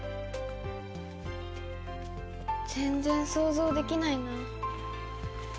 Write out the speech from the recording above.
全然想像できないな。